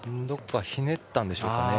どこかひねったんでしょうか。